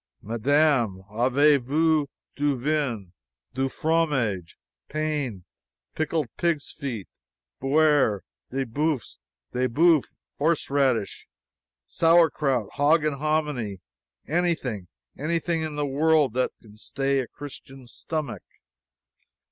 "Madame, avez vous du vin du fromage pain pickled pigs' feet beurre des oeufs du boeuf horseradish, sauerkraut, hog and hominy anything, anything in the world that can stay a Christian stomach!"